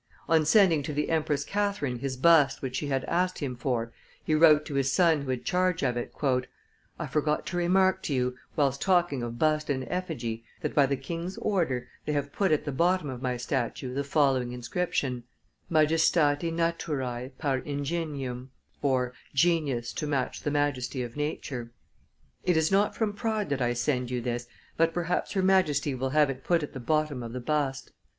On sending to the Empress Catherine his bust which she had asked him for, he wrote to his son who had charge of it: "I forgot to remark to you, whilst talking of bust and effigy, that, by the king's order, they have put at the bottom of my statue the following inscription: Majestati naturae par ingenium (Genius to match the majesty of nature). It is not from pride that I send you this, but perhaps Her Majesty will have it put at the bottom of the bust."